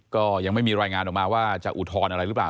ก็ยังไม่มีรายงานออกมาว่าจะอุทธรณ์อะไรหรือเปล่า